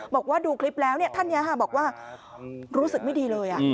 บอกว่าดูคลิปแล้วท่านนี้บอกว่ารู้สึกไม่ดีเลย